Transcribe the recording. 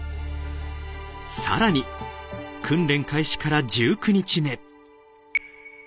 さらに訓練開始から１９日目。